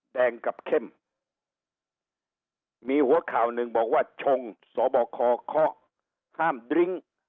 แดงกับเข้มมีหัวข่าวหนึ่งบอกว่าชงสบคเคาะห้ามดริ้ง